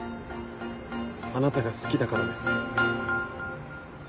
あなたが好きだからです。